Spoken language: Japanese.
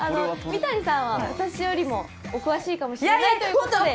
三谷さんは私よりもお詳しいかもしれないので。